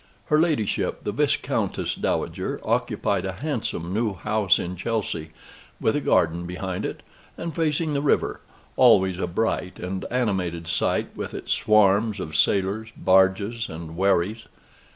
Her ladyship the Viscountess Dowager occupied a handsome new house in Chelsey, with a garden behind it, and facing the river, always a bright and animated sight with its swarms of sailors, barges, and wherries.